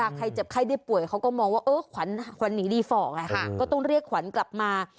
ใครเจ็บไข้ได้ป่วยเขาก็มองว่าเออขวัญหนีดีฟอร์กก็ต้องเรียกขวัญกลับมา